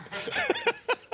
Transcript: ハハハハハ。